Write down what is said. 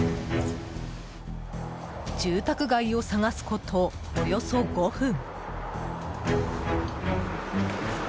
住宅街を探すこと、およそ５分。